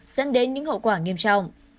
dẫn đến những hậu quả nghiêm trọng